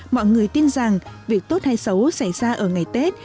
mọi người tin rằng việc tốt hay xấu xảy ra ở ngày tết